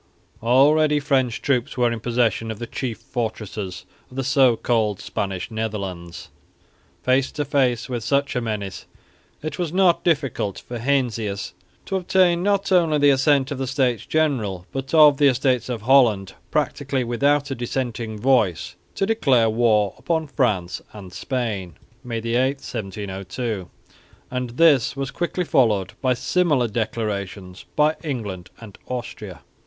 Already French troops were in possession of the chief fortresses of the so called Spanish Netherlands. Face to face with such a menace it was not difficult for Heinsius to obtain not only the assent of the States General, but of the Estates of Holland, practically without a dissenting voice, to declare war upon France and Spain (May 8, 1702); and this was quickly followed by similar declarations by England and Austria.